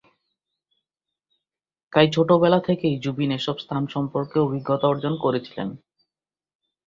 তাই ছোটবেলা থেকেই জুবিন এসব স্থান সম্পর্কে অভিজ্ঞতা অর্জন করেছিলেন।